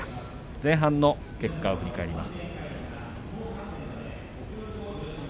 前半の結果を振り返ります。